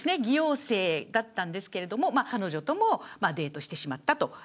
疑陽性だったんですけども彼女ともデートしてしまったと。